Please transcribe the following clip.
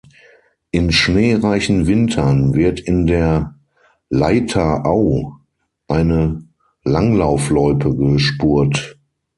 In schneereichen Wintern wird in der Leitha-Au eine Langlaufloipe gespurt.